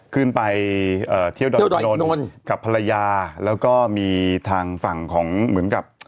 ขึ้นไปเที่ยวดอยถนนกับภรรยาแล้วก็มีทางฝั่งของเหมือนกับ